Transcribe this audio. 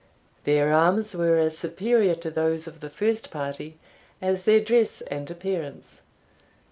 Their arms were as superior to those of the first party as their dress and appearance.